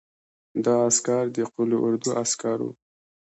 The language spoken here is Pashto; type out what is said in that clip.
دا عسکر د قول اردو عسکر وو.